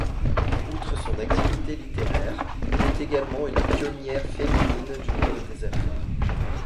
Outre son activité littéraire, elle est également une pionnière féminine du monde des affaires.